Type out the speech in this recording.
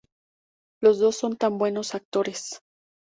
Los dos son tan buenos actores.